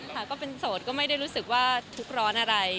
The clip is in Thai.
ก็เป็นโสดก็ไม่ได้รู้สึกว่าทุกข์ร้อนอะไร